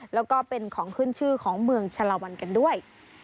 แล้วก็เป็นของขึ้นชื่อของเมืองชะลาวันกันด้วย